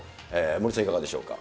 森さん、いかがでしょうか。